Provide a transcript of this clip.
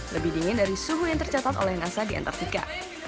lebih dingin dari suhu yang tercatat oleh nasa di antartika